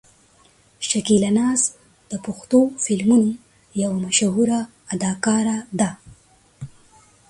شکیلا ناز د پښتو فلمونو یوه مشهوره اداکاره ده.